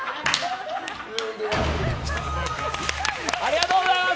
ありがとうございます！